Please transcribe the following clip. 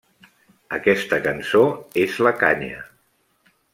Aquesta cançó és la canya.